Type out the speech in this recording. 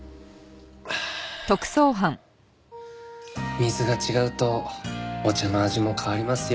水が違うとお茶の味も変わりますよ。